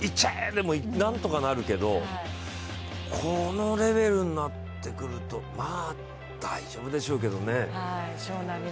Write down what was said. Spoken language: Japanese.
でなんとかなるけど、このレベルになってくるとまあ、大丈夫でしょうけどね。